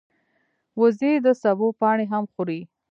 وزې د سبو پاڼې هم خوري